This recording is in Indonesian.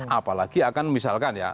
apalagi akan misalkan ya